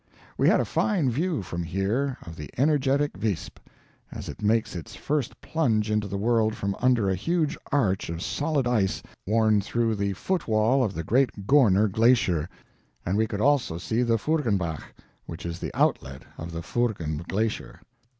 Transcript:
We had a fine view, from here, of the energetic Visp, as it makes its first plunge into the world from under a huge arch of solid ice, worn through the foot wall of the great Gorner Glacier; and we could also see the Furggenbach, which is the outlet of the Furggen Glacier.